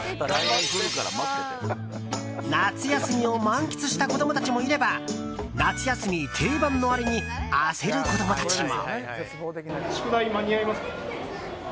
夏休みを満喫した子供たちもいれば夏休み定番のあれに焦る子供たちも。